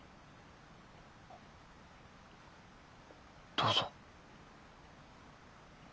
どうぞ。